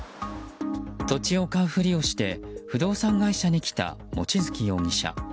土地を買うふりをして不動産会社に来た望月容疑者。